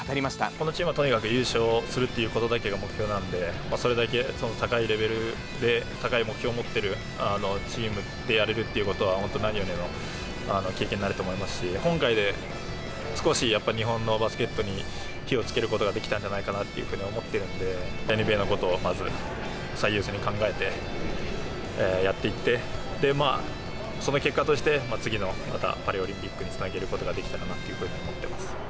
このチームはとにかく優勝するということだけが目標なので、それだけ高いレベルで、高い目標を持ってるチームでやれるっていうことは、本当、何よりの経験になると思いますし、今回で少しやっぱり日本のバスケットに火をつけることができたんじゃないかなと思っているんで、ＮＢＡのことをまず最優先に考えてやっていって、まあ、その結果として、次のまた、パリオリンピックにつなげることができたらなと思ってます。